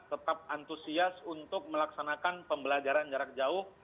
tetap antusias untuk melaksanakan pembelajaran jarak jauh